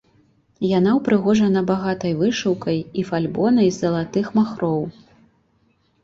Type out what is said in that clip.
Яна ўпрыгожана багатай вышыўкай і фальбонай з залатых махроў.